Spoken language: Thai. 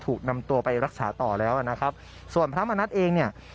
ถูกนำตัวไปรักษาต่อแล้วนะครับส่วนพระมณัฐเองเนี่ย